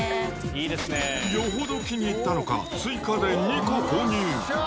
よほど気に入ったのか、追加で２個購入。